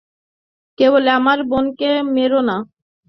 কেবল আমার বোনকে মেরো না।